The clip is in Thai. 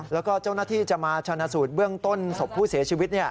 แล้วก็เจ้าหน้าที่จะมาชนะสูตรเบื้องต้นศพผู้เสียชีวิต